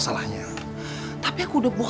uang dari mana